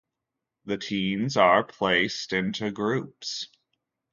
The teens are placed into groups.